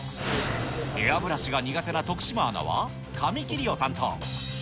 エアブラシが苦手な徳島アナは、紙切りを担当。